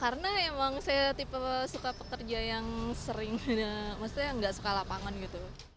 karena emang saya tipe suka pekerja yang sering maksudnya yang nggak suka lapangan gitu